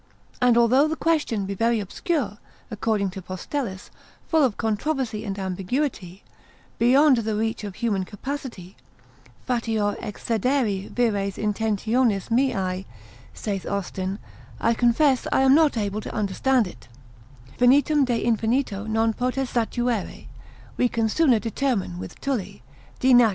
And although the question be very obscure, according to Postellus, full of controversy and ambiguity, beyond the reach of human capacity, fateor excedere vires intentionis meae, saith Austin, I confess I am not able to understand it, finitum de infinito non potest statuere, we can sooner determine with Tully, de nat.